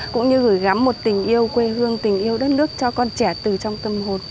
cũng như gửi gắm một tình yêu quê hương tình yêu đất nước cho con trẻ từ trong tâm hồn